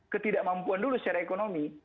ketidakmampuan dulu secara ekonomi